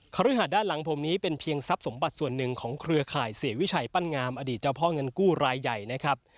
ฤหาสด้านหลังผมนี้เป็นเพียงทรัพย์สมบัติส่วนหนึ่งของเครือข่ายเสียวิชัยปั้นงามอดีตเจ้าพ่อเงินกู้รายใหญ่นะครับ